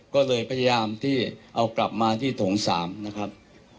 ก็เลยพยายามที่เอากลับมาที่โถง๓นะครับ